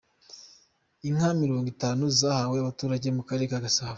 Inka mirongwitanu zahawe abaturage mu Karere ka Gasabo